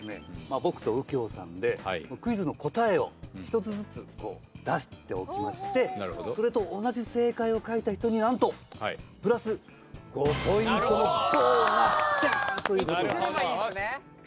僕と右京さんでクイズの答えを１つずつ出しておきましてそれと同じ正解を書いた人になんとプラス５ポイントのボーナスチャンスという事なんです。